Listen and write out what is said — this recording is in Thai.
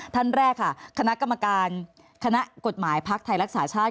ท่านแรกค่ะคณะกรรมการคณะกฎหมายภักดิ์ไทยรักษาชาติ